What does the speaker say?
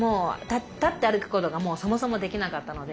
立って歩くことがそもそもできなかったので。